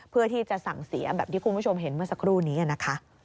เพื่อที่จะสั่งเสียแบบที่คุณผู้ชมเห็นเมื่อสักครู่นี้นะคะ